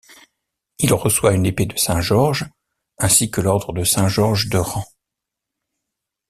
Il reçoit une épée de Saint-Georges ainsi que l'ordre de Saint-Georges de rang.